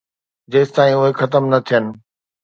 جيستائين اهي ختم نه ٿين